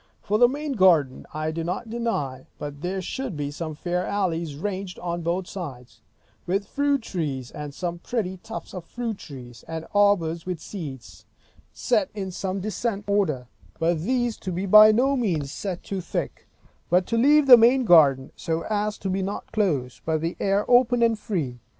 For the main garden, I do not deny, but there should be some fair alleys ranged on both sides, with fruit trees; and some pretty tufts of fruit trees, and arbors with seats, set in some decent order; but these to be by no means set too thick; but to leave the main garden so as it be not close, but the air open and free.